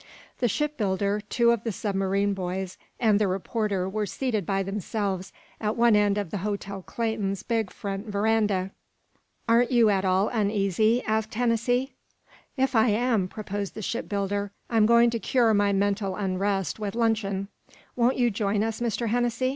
The shipbuilder, two of the submarine boys and the reporter were seated by themselves at one end of the Hotel Clayton's big front veranda. "Aren't you at all uneasy?" asked Hennessy. "If I am," proposed the shipbuilder, "I'm going to cure my mental unrest with luncheon. Won't you join us, Mr. Hennessy?"